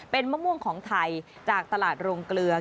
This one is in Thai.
เป็นมะม่วงของไทยจากตลาดโรงเกลือ